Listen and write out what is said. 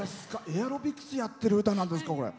エアロビクスやってる歌なんですか。